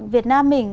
việt nam mình